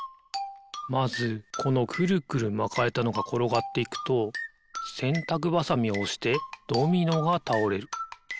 まずこのくるくるまかれたのがころがっていくとせんたくばさみをおしてドミノがたおれる。